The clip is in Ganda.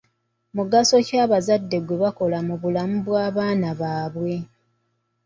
Mugaso ki abazadde gwe bakola mu bulamu bw'abaana baabwe?